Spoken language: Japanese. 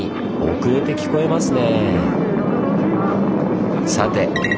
遅れて聞こえますね。